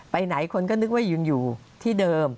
ไปไหนคนก็นึกว่ายังอยู่ที่เดิม